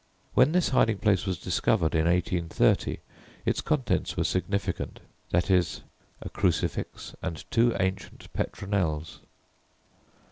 When this hiding place was discovered in 1830, its contents were significant viz. a crucifix and two ancient petronels.